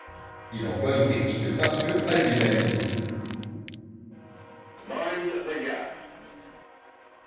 Il emploie une technique de peinture à l'huile animée.